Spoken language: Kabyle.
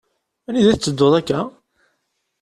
Anida i tetteduḍ akka?